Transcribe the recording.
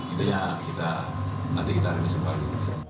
intinya nanti kita ribis kembali